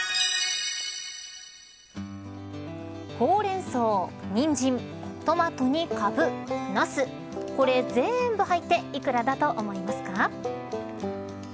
ほうれん草、にんじんトマトに、カブ、ナスこれ全部入っていくらだと思いますか。